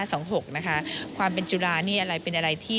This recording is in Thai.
สองหกนะคะความเป็นจุฬานี่อะไรเป็นอะไรที่